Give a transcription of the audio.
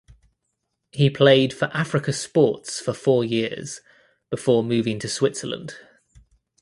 He played for Africa Sports for four years before moving to Switzerland.